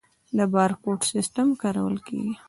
د بارکوډ سیستم کارول کیږي؟